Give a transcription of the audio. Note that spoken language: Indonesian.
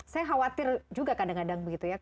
saya khawatir juga kadang kadang begitu ya